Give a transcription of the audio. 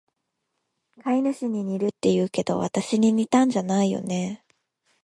飼い主に似るって言うけど、わたしに似たんじゃないよね？